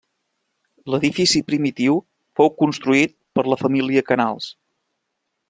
L'edifici primitiu fou construït per la família Canals.